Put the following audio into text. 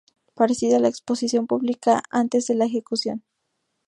Parecida era la exposición pública antes de la ejecución.